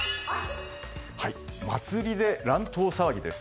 祭りで乱闘騒ぎです。